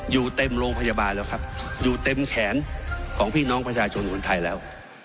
อยู่เต็มโรงพยาบาลแล้วครับอยู่เต็มแขนของพี่น้องประชาชนคนไทยแล้ว